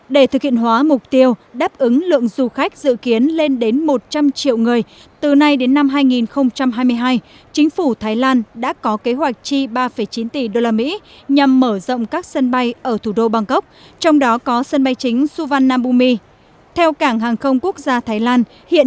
để thực hiện hóa mục tiêu đáp ứng lượng du khách dự kiến lên đến một trăm linh triệu người từ nay đến năm hai nghìn hai mươi hai chính phủ thái lan đã có kế hoạch chi ba chín tỷ đô la mỹ nhằm mở ra một dự án đường sắt cao tốc nối thủ đô kuala lumpur với láng giềng nước nam singapore